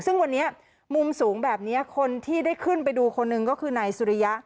ซึ่งวันนี้มุมสูงแบบนี้คนที่ได้ขึ้นไปดูคนหนึ่งก็คือนายสุริยะ